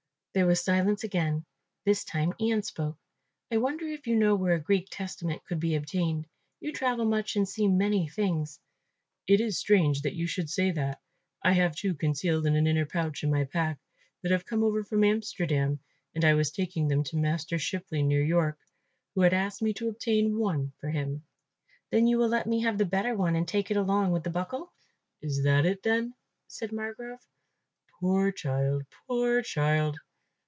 There was silence again, this time Ian spoke. "I wonder if you know where a Greek Testament could be obtained, you travel much and see many things." "It is strange that you should say that. I have two concealed in an inner pouch in my pack, that have come over from Amsterdam and I was taking them to Master Shipley near York, who had asked me to obtain one for him." "Then will you let me have the better one and take it along with the buckle?" "Is that it, then?" said Margrove. "Poor child, poor child!"